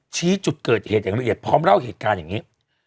ชี้จุดเกิดเหตุอย่างละเอียดพร้อมเล่าเหตุการณ์อย่างนี้